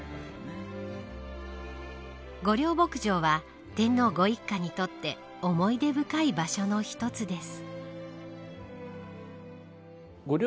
御料牧場は天皇ご一家にとって思い出深い場所の一つです。